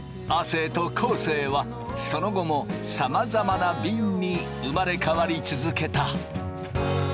生はその後もさまざまなびんに生まれ変わり続けた。